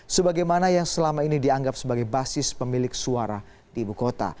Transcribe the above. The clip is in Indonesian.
sebagaimana yang selama ini dianggap sebagai basis pemilik suara di ibu kota